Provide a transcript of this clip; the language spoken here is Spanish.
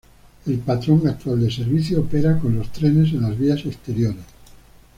El patrón actual de servicio opera con los trenes en las vías exteriores.